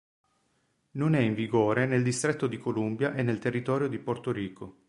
Non è in vigore nel Distretto di Columbia e nel territorio di Porto Rico.